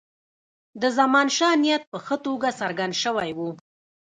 د زمانشاه نیت په ښه توګه څرګند شوی وو.